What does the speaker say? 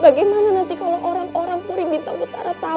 bagaimana nanti kalau orang orang puri bintang utara tahu